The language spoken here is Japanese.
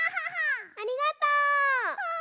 ありがとう！